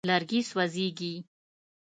لرګي سوځېږي.